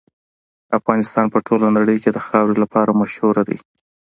افغانستان په ټوله نړۍ کې د خاورې لپاره مشهور دی.